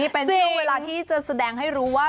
เป็นช่วงเวลาที่จะแสดงให้รู้ว่า